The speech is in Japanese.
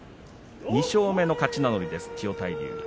２勝目の勝ち名乗りです千代大龍。